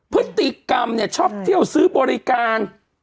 พฤติกรรมเนี่ยชอบเที่ยวซื้อบริการ